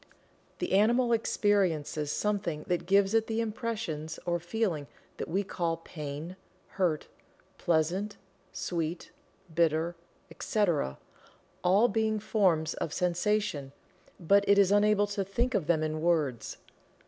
The animal experiences something that gives it the impressions or feeling that we call "pain," "hurt," "pleasant," "sweet," "bitter," etc., all being forms of sensation, but it is unable to think of them in words.